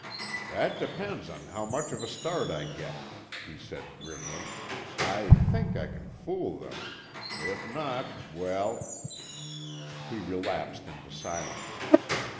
"That depends on how much of a start I get," he said grimly. "I think I can fool them. If not—well——" He relapsed into silence.